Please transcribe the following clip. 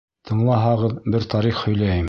Тыңлаһағыҙ, бер тарих һөйләйем.